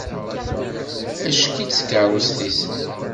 Acekk-itt tkerrust-is.